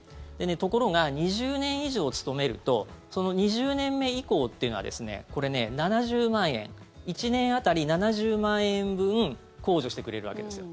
ところが、２０年以上勤めるとその２０年目以降というのはこれ、７０万円１年当たり７０万円分控除してくれるわけですよ。